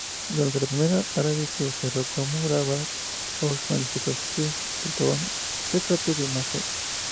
Durante la primavera árabe que derrocó a Mubarak, os manifestantes portaban retratos de Nasser.